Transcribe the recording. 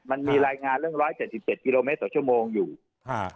มันมีรายงานเรื่องร้อยเจ็ดสิบเจ็ดกิโลเมตรต่อชั่วโมงอยู่ฮะ